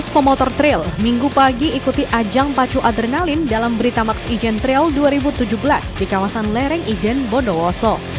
dua ribu dua ratus pemotrotrail minggu pagi ikuti ajang pacu adrenalin dalam berita max ijen trail dua ribu tujuh belas di kawasan lereng ijen bondowoso